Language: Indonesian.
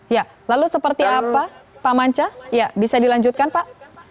ya lalu seperti apa pak manca bisa dilanjutkan pak